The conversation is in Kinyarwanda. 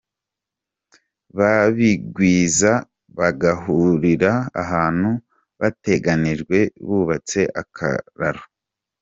Babigwiza bagahurira ahantu bateganije bubatse akararo.